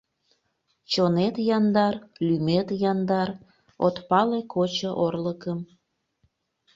Чонет яндар — лӱмет яндар, От пале кочо орлыкым.